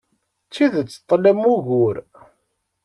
D tidet tlam ugur.